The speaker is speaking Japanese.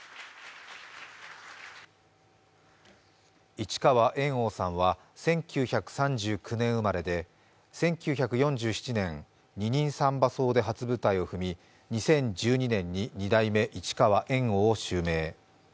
市川猿翁さんは１９３９年生まれで、１９４７年、「二人三番叟」で初舞台を踏み２０１２年に二代目市川猿翁を襲名。